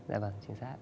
dạ vâng chính xác